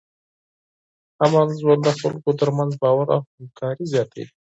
امن ژوند د خلکو ترمنځ باور او همکاري زیاتوي.